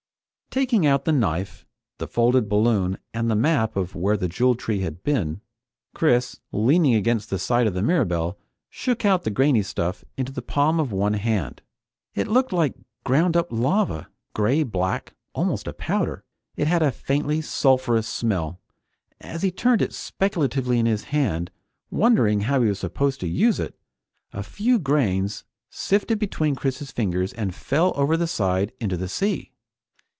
Taking out the knife, the folded balloon, and the map of where the Jewel Tree had been, Chris, leaning against the side of the Mirabelle, shook out the grainy stuff into the palm of one hand. It looked like ground up lava. Gray black, almost a powder, it had a faintly sulphurous smell. As he turned it speculatively in his hand, wondering how he was supposed to use it, a few grains sifted between Chris's fingers and fell over the side into the sea.